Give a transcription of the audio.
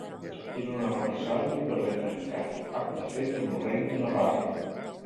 Era una represàlia per haver trencat el pacte fet amb el rei de Navarra.